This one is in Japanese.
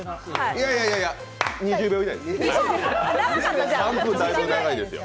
いやいやいやいや２０秒以内ですよ。